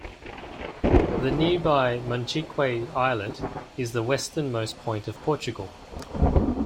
The nearby Monchique Islet is the westernmost point of Portugal.